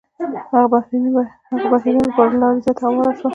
د هغو بهیرونو لپاره لاره زیاته هواره شوه.